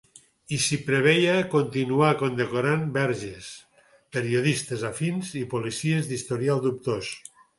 I si preveia continuar condecorant verges, periodistes afins i policies d’historial dubtós.